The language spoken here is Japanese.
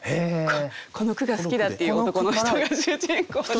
この句が好きだっていう男の人が主人公で。